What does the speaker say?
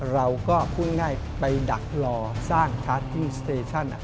เราก็พูดง่ายไปดักรอสร้างคาร์ดที่สเตชั่น